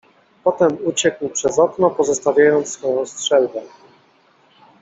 "Potem uciekł przez okno, pozostawiając swoją strzelbę."